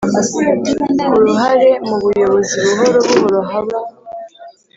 Uruhare mu buyobozi buhoro buhoro haba